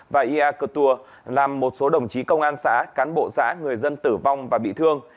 và ia cơ tua làm một số đồng chí công an xã cán bộ xã người dân tử vong và bị thương